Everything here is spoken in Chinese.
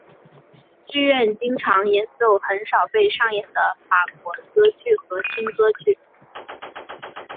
剧院经常演奏很少被上演的法国歌剧和轻歌剧。